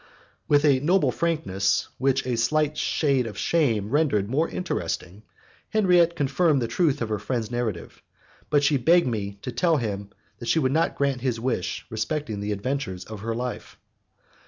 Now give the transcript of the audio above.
With a noble frankness which a slight shade of shame rendered more interesting, Henriette confirmed the truth of her friend's narrative, but she begged me to tell him that she could not grant his wish respecting the adventures of her life.